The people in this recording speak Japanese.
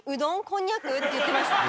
こんにゃく？って言ってました。